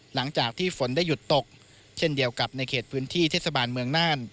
หลังจากที่ฝนได้หยุดตกเช่นเดียวกับในเขตพื้นที่เทศบาลเมืองน่าน